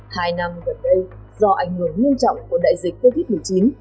hai năm gần đây do ảnh hưởng nghiêm trọng của đại dịch covid một mươi chín